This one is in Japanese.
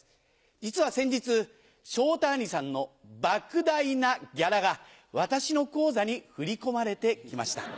実は先日昇太兄さんの莫大なギャラが私の口座に振り込まれて来ました。